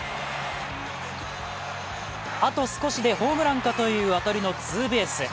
あと少しでホームランかという当たりのツーベース。